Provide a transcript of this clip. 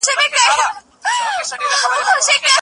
اوس به ځي په سمندر کی به ډوبیږي